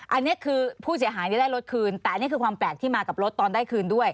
อันนี้คือผู้เสียหายได้รถคืนแต่อันนี้คือความแปลกที่มากับรถตอนได้คืนด้วย